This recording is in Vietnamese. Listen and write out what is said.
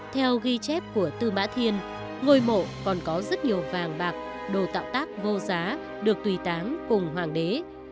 theo ghi chép của tư mã thiên ngôi mộ còn có rất nhiều vàng bạc đồ tạo tác vô giá được tùy táng cùng hoàng đế